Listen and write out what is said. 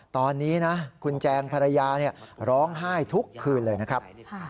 ตอนนี้นะคุณแจงภรรยาร้องไห้ทุกคืนเลยนะครับ